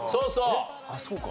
えっあっそうか。